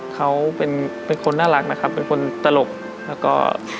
เขาเป็นคนน่ารักนะครับเป็นคนตลกแล้วก็